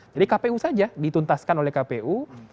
jadi kpu saja dituntaskan oleh kpu